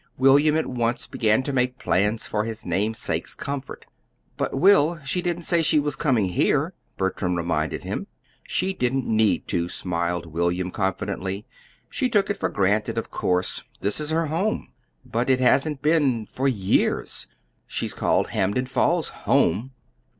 William at once began to make plans for his namesake's comfort. "But, Will, she didn't say she was coming here," Bertram reminded him. "She didn't need to," smiled William, confidently. "She just took it for granted, of course. This is her home." "But it hasn't been for years. She's called Hampden Falls 'home.'"